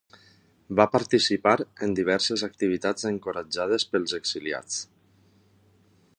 Va participar en diverses activitats encoratjades pels exiliats.